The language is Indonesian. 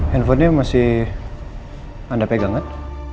handphonenya masih anda pegang kan